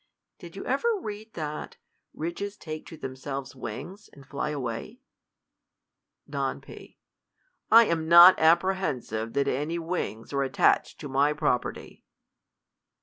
Did you ever read, that " Riches take to tjhemselves wings, and ily away ?"' Don P. I am not apprehensive that any wrings ar^ attached to my property.